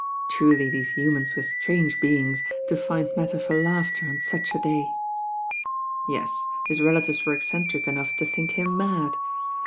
Truly these humant were strange beings to find mat ter for laughter on such a day. Yes, his relatives were eccentric enough to think him mad.